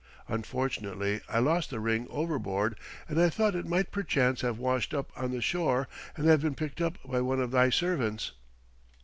Unfortunately I lost the ring overboard, and I thought it might perchance have washed up on the shore and have been picked up by one of thy servants."